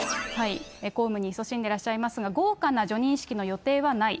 公務にいそしんでいらっしゃいますが、豪華な叙任式の予定はない。